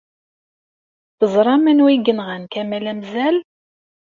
Teẓṛam anwa i yenɣan Kamel Amzal?